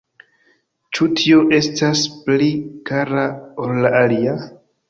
Ĉu tio estas pli kara ol la alia?